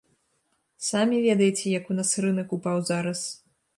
Самі ведаеце, як у нас рынак упаў зараз.